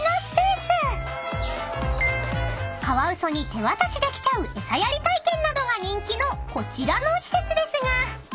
［カワウソに手渡しできちゃうエサやり体験などが人気のこちらの施設ですが］